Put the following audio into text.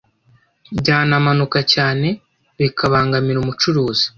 byanamanuka cyane bikabangamira umucuruzi